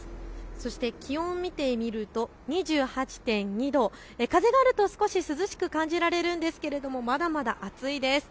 そして気温を見てみると２８．２度、風があると少し涼しく感じられるんですけれどもまだまだ暑いです。